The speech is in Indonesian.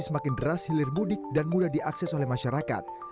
semakin deras hilir mudik dan mudah diakses oleh masyarakat